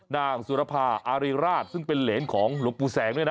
นางสุรภาอารีราชซึ่งเป็นเหรนของหลวงปู่แสงด้วยนะ